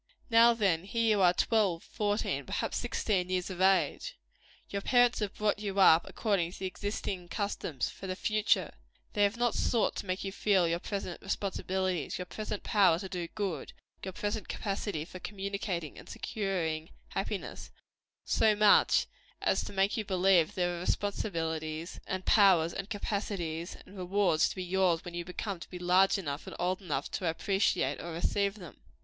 Now, then, here you are, twelve, fourteen, perhaps sixteen years of age. Your parents have brought you up according to the existing customs, for the future. They have not sought to make you feel your present responsibilities, your present power to do good, your present capacity for communicating and securing happiness, so much as to make you believe there are responsibilities, and powers, and capacities, and rewards, to be yours when you come to be large enough and old enough to appreciate or receive them.